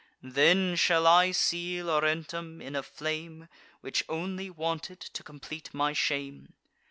Then, shall I see Laurentum in a flame, Which only wanted, to complete my shame?